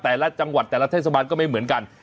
แต่ละจังหวัดแต่ละเทศบาลก็ไม่เหมือนกัน